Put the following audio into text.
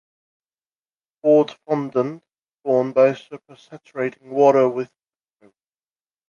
Poured fondant is formed by supersaturating water with sucrose.